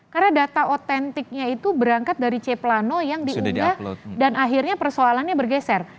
karena data otentiknya itu berangkat dari c plano yang diunggah dan akhirnya persoalannya bergeser